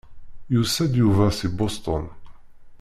Yusa-d Yuba si Boston.